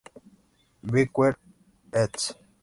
Becker, eds.